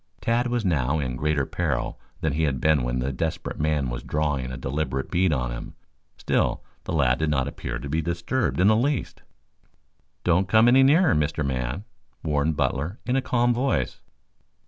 Tad was now in greater peril than he had been when the desperate man was drawing a deliberate bead on him. Still the lad did not appear to be disturbed in the least. "Don't come any nearer, Mister Man!" warned Butler in a calm voice.